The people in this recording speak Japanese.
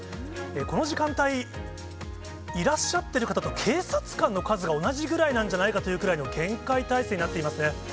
この時間帯、いらっしゃってる方と警察官の数が同じぐらいなんじゃないかというくらいの厳戒態勢になっていますね。